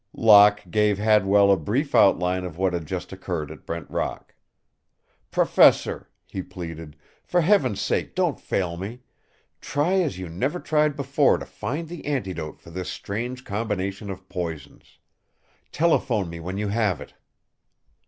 Locke gave Hadwell a brief outline of what had just occurred at Brent Rock. "Professor," he pleaded, "for Heaven's sake don't fail me. Try as you never tried before to find the antidote for this strange combination of poisons. Telephone me when you have it."